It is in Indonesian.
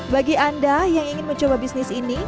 bagi anda yang ingin mencoba bisnis ini